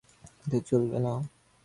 তাতে চলবে না।